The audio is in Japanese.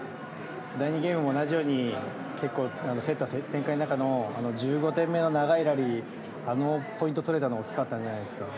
第２ゲームも同じように結構、競った展開の中の１５点目の長いラリーあのポイントが取れたのは大きかったんじゃないですか。